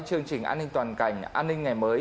chương trình an ninh toàn cảnh an ninh ngày mới